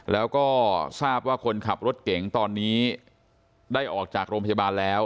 แล้วก็ทราบว่าคนขับรถเก่งตอนนี้ได้ออกจากโรงพยาบาลแล้ว